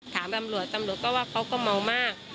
ถามตำรวจตำรวจก็ว่าเขาก็เมามาก